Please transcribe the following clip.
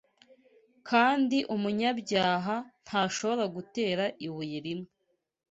Kandi umunyabyaha ntashobora gutera ibuye rimwe